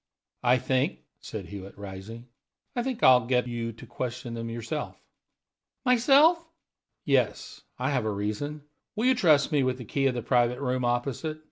"I think," said Hewitt, rising "I think I'll get you to question them yourself." "Myself?" "Yes, I have a reason. Will you trust me with the 'key' of the private room opposite?